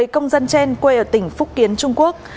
một mươi công dân trên quê ở tỉnh phúc kiến trung quốc